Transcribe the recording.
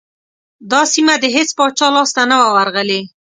دا سیمه د هیڅ پاچا لاسته نه وه ورغلې.